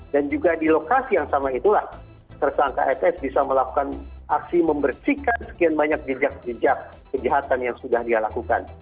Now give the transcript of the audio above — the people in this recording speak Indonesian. dan juga di lokasi yang sama itulah tersangka kfs bisa melakukan aksi membersihkan sekian banyak jejak jejak kejahatan yang sudah dia lakukan